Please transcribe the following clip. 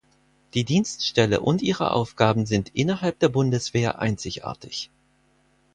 Die Dienststelle und ihre Aufgaben sind innerhalb der Bundeswehr einzigartig.